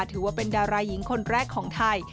ถือว่าเป็นดาราหญิงคนแรกของไทย